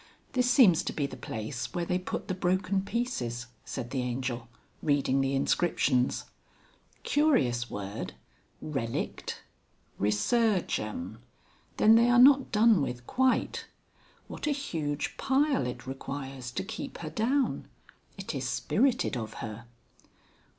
"This seems to be the place where they put the broken pieces," said the Angel reading the inscriptions. "Curious word relict! Resurgam! Then they are not done with quite. What a huge pile it requires to keep her down.... It is spirited of her."